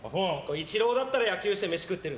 イチローだったら野球で飯食ってる。